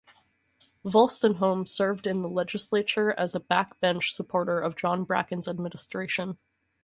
Wolstenholme served in the legislature as a backbench supporter of John Bracken's administration.